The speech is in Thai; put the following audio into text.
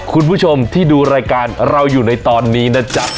คุณผู้ชมที่ดูรายการเราอยู่ในตอนนี้นะจ๊ะ